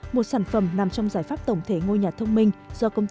một sản phẩm nằm trong giải pháp tổng thể ngôi nhà thông minh